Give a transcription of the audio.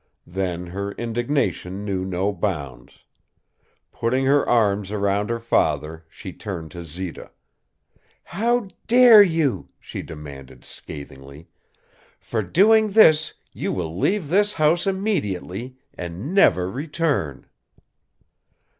Then her indignation knew no bounds. Putting her arms around her father, she turned to Zita. "How dare you?" she demanded, scathingly. "For doing this you will leave this house immediately and never return."